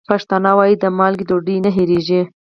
پښتانه وايي: د مالګې ډوډۍ نه هېرېږي.